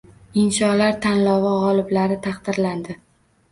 Insholar tanlovi g‘oliblari taqdirlandi